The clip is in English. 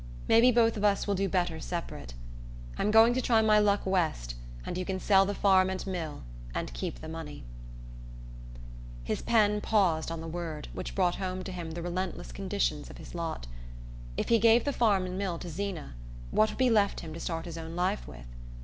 Maybe both of us will do better separate. I'm going to try my luck West, and you can sell the farm and mill, and keep the money " His pen paused on the word, which brought home to him the relentless conditions of his lot. If he gave the farm and mill to Zeena what would be left him to start his own life with?